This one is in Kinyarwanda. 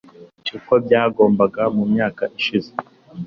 uko byagombaga mu myaka ishize